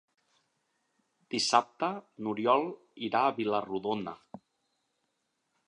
Dissabte n'Oriol irà a Vila-rodona.